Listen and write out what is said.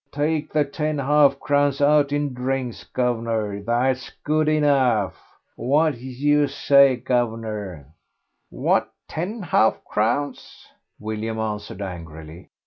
"Take the ten half crowns out in drinks, guv'nor, that's good enough. What do you say, guv'nor?" "What, ten half crowns?" William answered angrily.